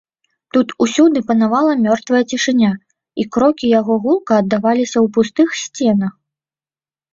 Тут усюды панавала мёртвая цішыня, і крокі яго гулка аддаваліся ў пустых сценах.